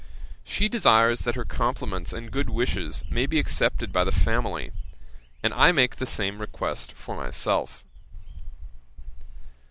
She desires that her compliments and good wishes may be accepted by the family; and I make the same request for myself.